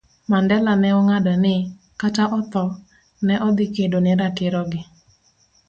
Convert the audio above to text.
Mandela ne ong'ado ni, kata otho, ne odhi kedo ne ratiro gi